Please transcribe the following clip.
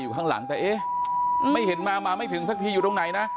ข้างหลังแต่เอ๊ะไม่เห็นมามาไม่ถึงสักทีอยู่ตรงไหนนะ